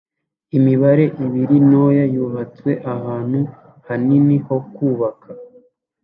Imibare ibiri ntoya yubatswe ahantu hanini ho kubaka